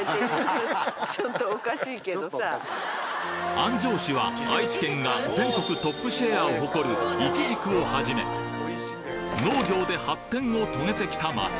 安城市は愛知県が全国トップシェアを誇るいちじくをはじめ農業で発展を遂げてきた街。